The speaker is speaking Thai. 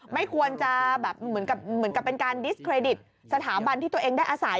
ไม่ควรจะแบบเหมือนกับเป็นการดิสเครดิตสถาบันที่ตัวเองได้อาศัย